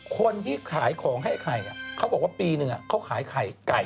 คนที่ขายของให้ไข่เขาบอกว่าปีหนึ่งเขาขายไข่ไก่